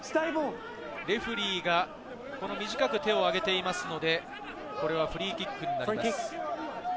レフェリーが短く手を上げていますので、これはフリーキックになります。